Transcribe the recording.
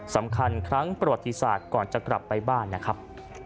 สำคัญครั้งประวัติศาสตร์ก่อนจะกลับไปบ้านนะครับ